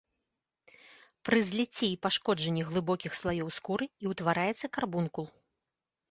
Пры зліцці і пашкоджанні глыбокіх слаёў скуры і ўтвараецца карбункул.